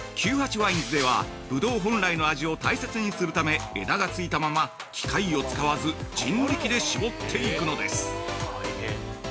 ＷＩＮＥｓではぶどう本来の味を大切にするため枝がついたまま、機械を使わず人力で搾っていくのです。